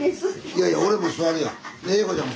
いやいや俺も座るやん。